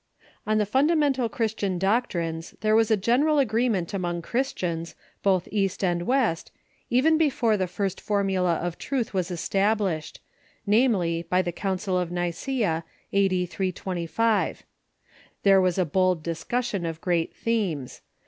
On the fundamental Christian doctrines there was a general agreement among Christians, both East and West, even before the first formula of truth was established — namely, General |^ ^j ^^ Council of Nicgea, a.d. 325, There was a Agreement '',..,_,, bold discussion of great themes.